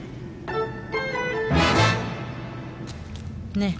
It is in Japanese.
ねえ。